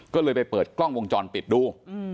ก็เลยไปเปิดกล้องวงจรปิดดู